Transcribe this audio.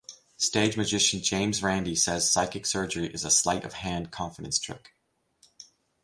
Stage magician James Randi says psychic surgery is a sleight of hand confidence trick.